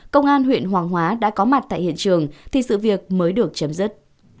công an huyện hoàng hóa đã có mặt tại hiện trường thì sự việc mới được chấm dứt